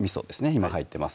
今入ってます